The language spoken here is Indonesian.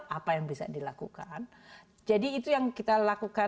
apa yang bisa dilakukan jadi itu yang bisa dilakukan adalah pendidikan